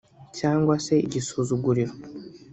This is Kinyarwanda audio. cyangwa se igisuzuguriro